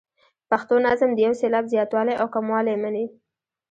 پښتو نظم د یو سېلاب زیاتوالی او کموالی مني.